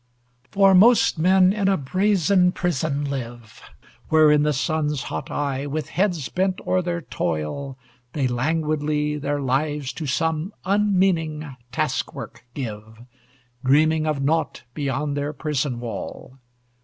For most men in a brazen prison live, Where, in the sun's hot eye, With heads bent o'er their toil, they languidly Their lives to some unmeaning taskwork give, Dreaming of naught beyond their prison wall.